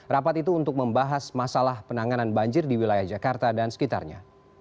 rapat itu untuk membahas masalah penanganan banjir di wilayah jakarta dan sekitarnya